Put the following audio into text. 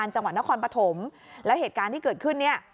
จังหวัดนครปฐมแล้วเหตุการณ์ที่เกิดขึ้นเนี่ย